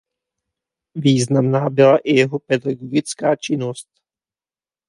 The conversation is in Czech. Významná byla i jeho pedagogická činnost.